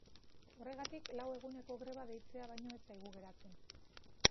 Horregatik, lau eguneko greba deitzea baino ez zaigu geratzen.